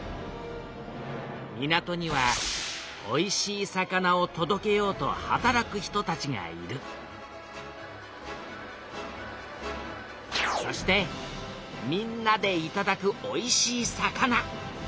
港にはおいしい魚をとどけようと働く人たちがいるそしてみんなでいただくおいしい魚。